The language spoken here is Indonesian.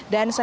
dan saat itu